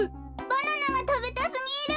バナナがたべたすぎる。